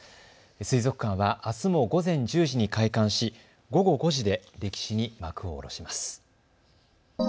水族館はあすも午前１０時に開館し、午後５時で歴史に幕を下ろします。